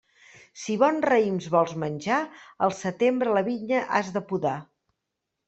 Si bons raïms vols menjar, al setembre la vinya has de podar.